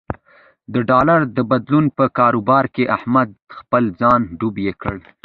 د ډالر د بدلون په کاروبار کې احمد خپل ځان ډوب یې کړ.